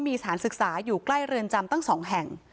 มีสถานศึกษาอยู่ใกล้เรือนจำตั้ง๒แห่ง